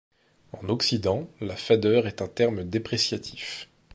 En occident, la fadeur est un terme dépréciatif.